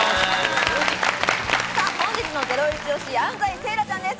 本日のゼロイチ推し、安斉星来ちゃんです。